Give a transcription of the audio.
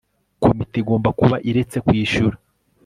komite igomba kuba iretse kwishyura